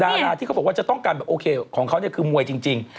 ดาราที่เขาบอกว่าจะต้องการแบบโอเคของเขาเนี่ยคือมวยจริง